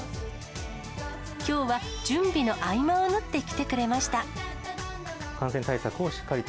きょうは準備の合間を縫って来てくれました。